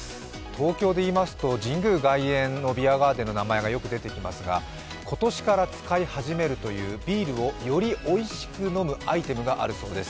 東京でいいますと、神宮外苑のビアガーデンの名前がよく出てきますが今年から使い始めるというビールをよりおいしく飲むアイテムがあるそうです。